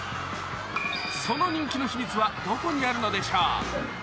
その人気の秘密は、どこにあるのでしょう？